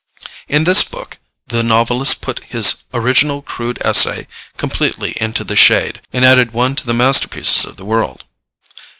In this book the novelist put his original crude essay completely into the shade, and added one to the masterpieces of the world.